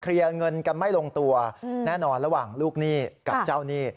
เงินกันไม่ลงตัวแน่นอนระหว่างลูกหนี้กับเจ้าหนี้